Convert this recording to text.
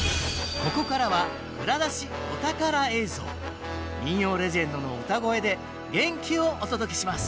ここからは民謡レジェンドの唄声で元気をお届けします。